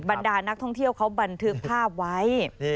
บรรดานักท่องเที่ยวเขาบันทึกภาพไว้